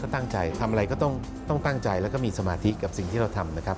ตั้งใจทำอะไรก็ต้องตั้งใจแล้วก็มีสมาธิกับสิ่งที่เราทำนะครับ